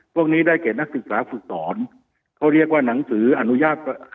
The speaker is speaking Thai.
พวกนี้ได้แก่นักศึกษาฝึกสอนเขาเรียกว่าหนังสืออนุญาต